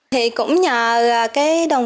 thì cũng nhờ cái đồng